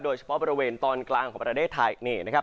โดยเฉพาะบริเวณตอนกลางของประเทศไทยนี่นะครับ